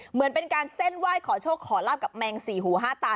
เหมือนเป็นการเส้นไหว้ขอโชคขอลาบกับแมงสี่หูห้าตา